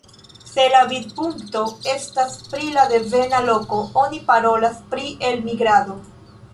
Se la vidpunkto estas pri la devena loko, oni parolas pri elmigrado.